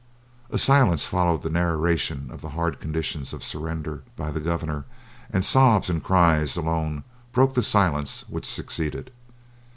A silence followed the narration of the hard conditions of surrender by the governor, and sobs and cries alone broke the silence which succeeded.